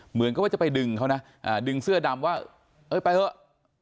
เหมือนกับว่าจะไปดึงเขานะดึงเสื้อดำว่าเอ้ยไปเถอะ